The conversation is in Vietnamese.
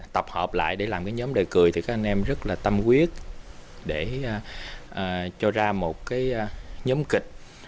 tập hợp lại để làm cái nhóm đề cười thì các anh em rất là tâm quyết để cho ra một cái nhóm kịch